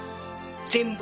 全部？